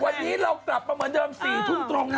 วันนี้เรากลับมาเหมือนเดิม๔ทุ่มตรงนะ